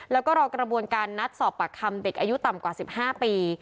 แล้วก็รอกระบวนการนัดสอบปากคำเด็กอายุต่ำกว่า๑๕ปี